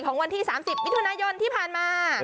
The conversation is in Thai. วันที่๓๐มิถุนายนที่ผ่านมา